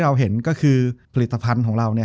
จบการโรงแรมจบการโรงแรม